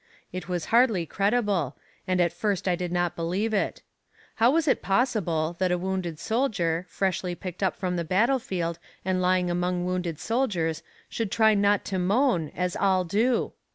It was hardly credible, and at first I did not believe it; how was it possible, that a wounded soldier, freshly picked up from the battlefield and lying among wounded soldiers should try not to moan, as all do?